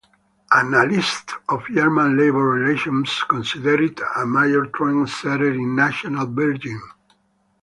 Analysts of German labor relations consider it a major trend-setter in national bargaining.